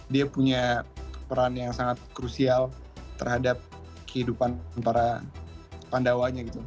dia punya peran yang sangat krusial terhadap kehidupan para pandawanya gitu